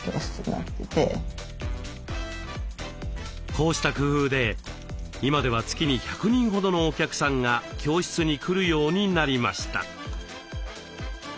こうした工夫で今では月に１００人ほどのお客さんが教室に来るようになりました。